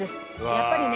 やっぱりね」